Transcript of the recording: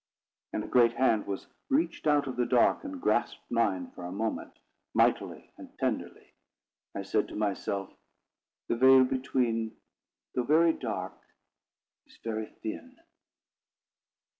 And a great hand was reached out of the dark, and grasped mine for a moment, mightily and tenderly. I said to myself: "The veil between, though very dark, is very thin."